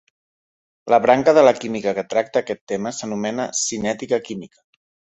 La branca de la química que tracta aquest tema s'anomena cinètica química.